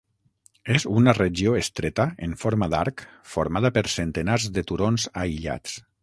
És una regió estreta en forma d"arc formada per centenars de turons aïllats.